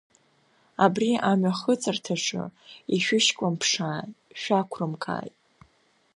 Абри амҩахыҵырҭаҿы ишәышькламԥшааит, шәақәрымкааит!